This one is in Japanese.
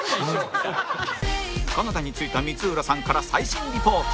カナダに着いた光浦さんから最新リポート